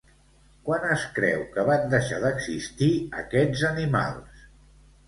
Quan es creu que van deixar d'existir aquests animals?